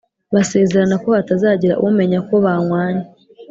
basezerana ko hatazagira umenya ko banywanye,